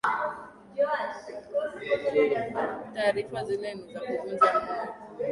Taarifa zile ni za kuvunja moyo